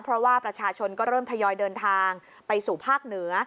เพราะว่าประชาชนก็เริ่มทยอยเดินทางไปสู่ภาคเหนือ